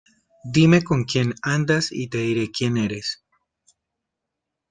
Dime con quién andas y te diré quién eres.